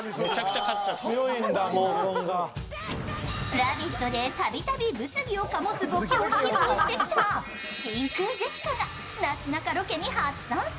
「ラヴィット！」でたびたび物議を醸すボケを披露してきた真空ジェシカがなすなかロケに初参戦。